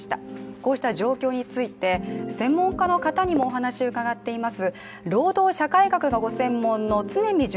こうした状況について専門家の方にもお話を伺っています。